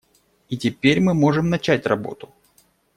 И теперь мы можем начать работу.